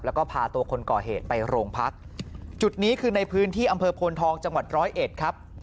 แล้วก็พาตัวคนก่อเหตุไปโรงพักจุดนี้คือในพื้นที่อำเภอโพนทองจังหวัดร้อยเอ็ดครับ